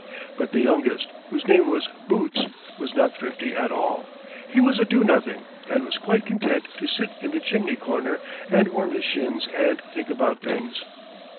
But the youngest, whose name was Boots, was not thrifty at all. He was a do nothing and was quite content to sit in the chimney corner and warm his shins and think about things.